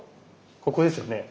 ここですよね。